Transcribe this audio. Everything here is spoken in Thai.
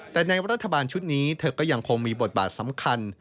แต่ในรัฐบาลชุดนี้เธอก็ยังคงมีบทบาทสำคัญ